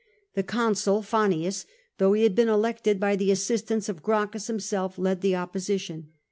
The Consul Fannius, though he had been elected by the assistance of Gracchus himself, led the opposition.